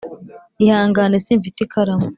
ihangane, simfite ikaramu.